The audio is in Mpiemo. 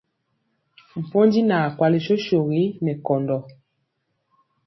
Pondi naa kwali sosogi nɛ kɔndɔ.